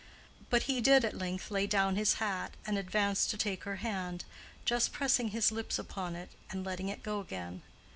But he did at length lay down his hat and advance to take her hand, just pressing his lips upon it and letting it go again.